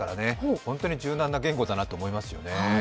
本当に柔軟な言語がなと思いますね。